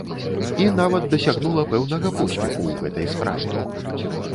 І нават дасягнула пэўнага поспеху ў гэтай справе.